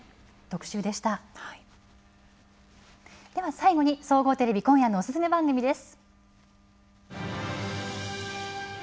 最後に総合テレビ今夜のおすすめ番組です。